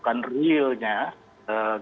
kita hanya proyeksi kira kira ke depannya gitu ya